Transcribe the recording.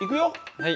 はい。